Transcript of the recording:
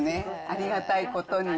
ありがたいことに。